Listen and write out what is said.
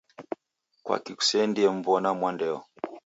Kwaki kuseendie mw'ona mwandeyo.